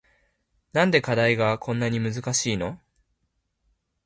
なんで課題がこんなに難しいの